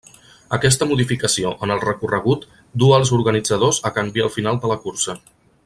Aquesta modificació en el recorregut duu als organitzadors a canviar el final de la cursa.